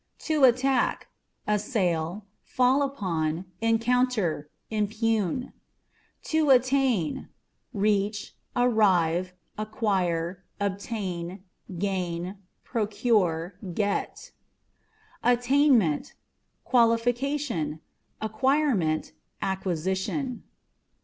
To Attack â€" assail, fall upon, encounter ; impugn. To Attainâ€" reach, arrive, acquire, obtain, gain, procure, get. ATTâ€" AUT. 19 Attainment â€" qualification, acquirement, acquisition.